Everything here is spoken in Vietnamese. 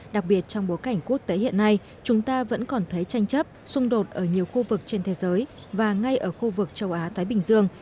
đặc biệt trong bối cảnh quốc tế hiện nay chúng ta vẫn còn thấy tranh chấp xung đột ở nhiều khu vực trên thế giới và ngay ở khu vực châu á thái bình dương